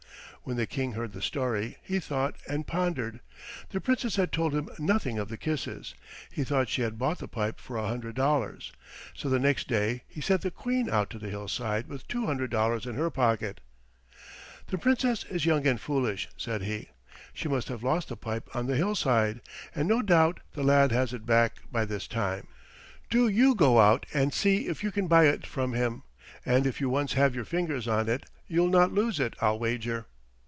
When the King heard the story he thought and pondered. The Princess had told him nothing of the kisses. He thought she had bought the pipe for a hundred dollars, so the next day he sent the Queen out to the hillside with two hundred dollars in her pocket. "The Princess is young and foolish," said he. "She must have lost the pipe on the hillside, and no doubt the lad has it back by this time. Do you go out and see if you can buy it from him and if you once have your fingers on it you'll not lose it, I'll wager."